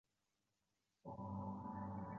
杨凯人。